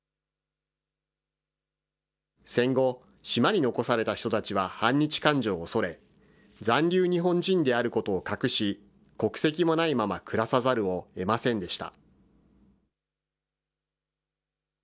戦後、島に残された人たちは反日感情を恐れ、残留日本人であることを隠し、国籍もないまま暮らさざるをえませんでした。